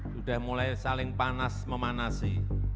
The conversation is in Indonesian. sudah mulai saling panas memanasi